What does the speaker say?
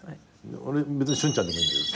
俺別にしゅんちゃんでもいいんだけど。